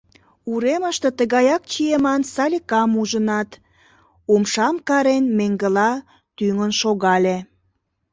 Уремыште тыгаяк чиеман Саликам ужынат, умшам карен, меҥгыла тӱҥын шогале.